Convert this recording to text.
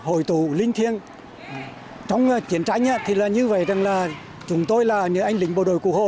hội tù linh thiêng trong chiến tranh thì là như vậy rằng là chúng tôi là những anh lính bộ đội cụ hồ